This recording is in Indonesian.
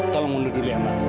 tolong mundur dulu ya mas